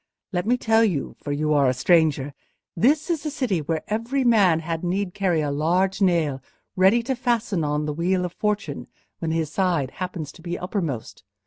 Let me tell you—for you are a stranger—this is a city where every man had need carry a large nail ready to fasten on the wheel of Fortune when his side happens to be uppermost.